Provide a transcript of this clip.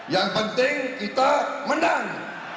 yang penting kita menang